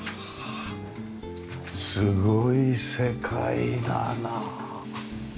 すごい世界だなあ。